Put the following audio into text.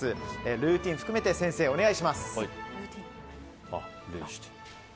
ルーティン含めて先生、お願いします。